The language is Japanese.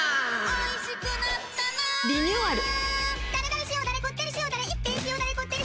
おいしくなったなリニューアル。